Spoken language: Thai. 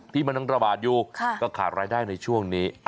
ที่มันยังระบาดอยู่ก็ขาดรายได้ในช่วงนี้